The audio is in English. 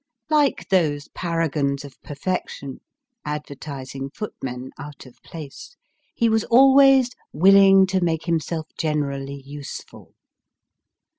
Like those paragons of perfection, advertising footmen out of place, he was always " willing to make himself generally useful."